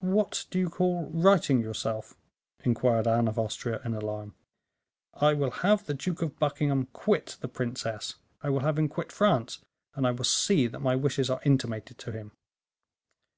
"What do you call righting yourself?" inquired Anne of Austria, in alarm. "I will have the Duke of Buckingham quit the princess, I will have him quit France, and I will see that my wishes are intimated to him."